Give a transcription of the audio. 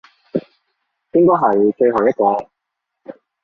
應該係最後一個